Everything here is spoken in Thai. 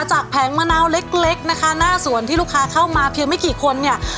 แผงมะนาวเล็กเล็กนะคะหน้าสวนที่ลูกค้าเข้ามาเพียงไม่กี่คนเนี่ย